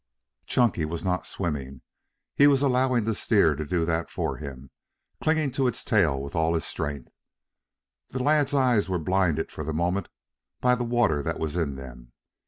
Chunky was not swimming. He was allowing the steer to do that for him, clinging to its tail with all his strength. The lad's eyes were blinded for the moment by the water that was in them.